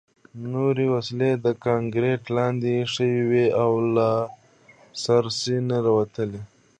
نورې وسلې د کانکریټ لاندې شوې وې او لاسرسی نه ورته و